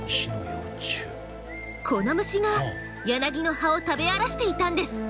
この虫がヤナギの葉を食べ荒らしていたんです。